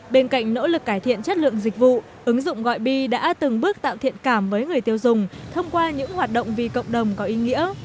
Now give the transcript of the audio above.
bên cạnh nỗ lực cải thiện chất lượng dịch vụ ứng dụng gọi bi đã từng bước tạo thiện cảm với người tiêu dùng thông qua những hoạt động vì cộng đồng có ý nghĩa